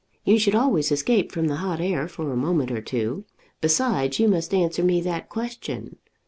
You should always escape from the hot air for a moment or two. Besides, you must answer me that question.